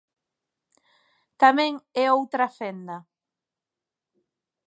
Tamén é outra fenda.